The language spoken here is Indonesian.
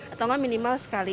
atau minimal sekali